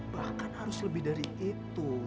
bahkan harus lebih dari itu